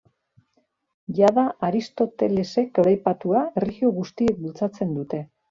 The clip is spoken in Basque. Jada Aristotelesek goraipatua, erlijio guztiek bultzatzen dute.